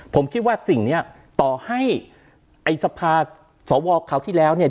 ผมคิดว่าสิ่งนี้ต่อให้ไอ้สภาสวคราวที่แล้วเนี่ย